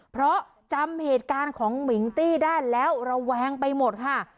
เพราะจำเหตุการณ์ของมิงตี้ได้แล้วระแวงไปหมดค่ะ